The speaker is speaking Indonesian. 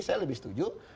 saya lebih setuju